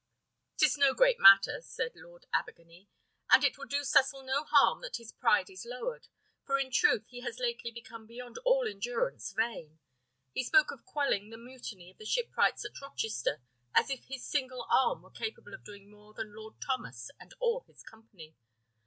"'Tis no great matter," said Lord Abergany, "and it will do Cecil no harm that his pride is lowered; for in truth, he has lately become beyond all endurance vain. He spoke of quelling the mutiny of the shipwrights at Rochester as if his single arm were capable of doing more than Lord Thomas and all his company.